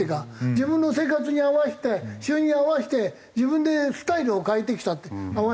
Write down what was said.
自分の生活に合わせて収入に合わせて自分でスタイルを変えてきたって合わせて。